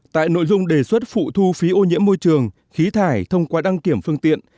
tại nội dung đề xuất phụ thu phí ô nhiễm môi trường khí thải thông qua đăng kiểm phương tiện